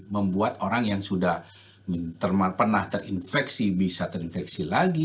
membuat orang yang sudah pernah terinfeksi bisa terinfeksi lagi